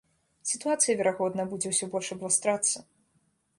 Сітуацыя, верагодна, будзе ўсё больш абвастрацца.